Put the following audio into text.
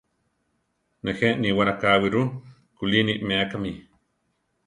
Nejé níwara káwi ru? Kulí ni méakami.